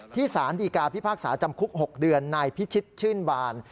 สารดีกาพิพากษาจำคุก๖เดือนนายพิชิตชื่นบาน